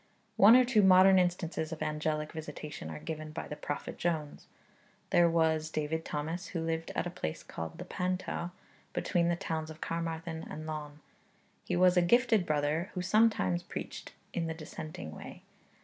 One or two modern instances of angelic visitation are given by the Prophet Jones. There was David Thomas, who lived at a place called the Pantau, between the towns of Carmarthen and Laugharne; he was 'a gifted brother, who sometimes preached,' in the dissenting way.